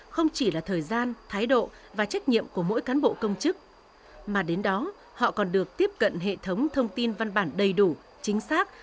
không chỉ là thời gian thái độ và trách nhiệm của mỗi cán bộ công chức mà đến đó họ còn được tiếp cận hệ thống thông tin văn bản đầy đủ chính xác